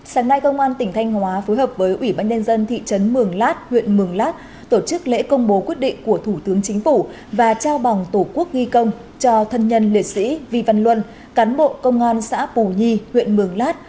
sáng nay công an tỉnh thanh hóa phối hợp với ủy ban nhân dân thị trấn mường lát huyện mường lát tổ chức lễ công bố quyết định của thủ tướng chính phủ và trao bằng tổ quốc ghi công cho thân nhân liệt sĩ vy văn luân cán bộ công an xã pù nhi huyện mường lát